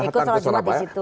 ikut sholat jumat di situ